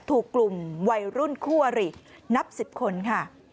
ถูกกลุ่มวัยรุ่นคู่อรินับ๑๐คนค่ะ